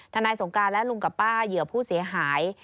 นายสงการและลุงกับป้าเหยื่อผู้เสียหาย